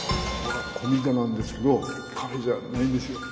古民家なんですけどカフェじゃないんですよ。